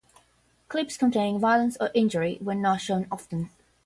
Clips containing violence or injury were not shown often.